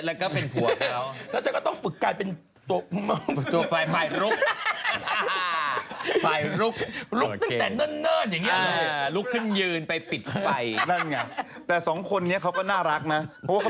เออก็แต่งหญิงแล้วก็เป็นผัวเขา